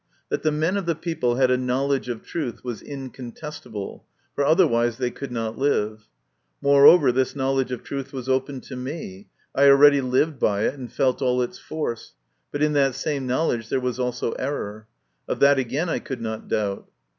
That the men of the people had a knowledge of truth was incontestable, for otherwise they could not live. Moreover, this knowledge of truth was open to me ; I already lived by it, and felt all its force, but in that same knowledge there was also error, Of that again I could not doubt.